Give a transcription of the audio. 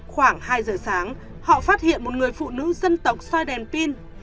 khoảng hai giờ sáng họ phát hiện một người phụ nữ dân tộc xoay đèn pin